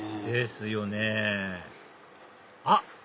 ですよねぇあっ！